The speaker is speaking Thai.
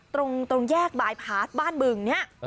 ตรงแยกบายพาสบ้านบึงเนี่ย